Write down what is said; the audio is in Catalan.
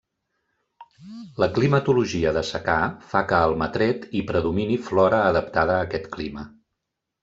La climatologia de secà fa que a Almatret hi predomini flora adaptada a aquest clima.